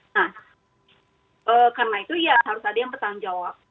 nah karena itu ya harus ada yang bertanggung jawab